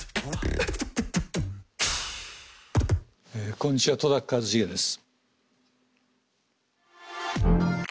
こんにちは戸一成です。